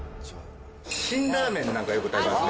辛ラーメンなんかよく食べますね。